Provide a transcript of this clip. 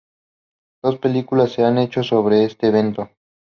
Dos películas se han hecho sobre este evento.